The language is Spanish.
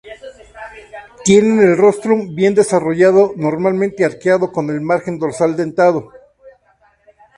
Tienen el rostrum bien desarrollado, normalmente arqueado, con el margen dorsal dentado.